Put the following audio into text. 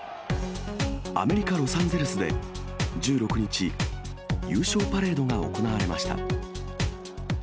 アメリカ・ロサンゼルスで１６日、優勝パレードが行われました。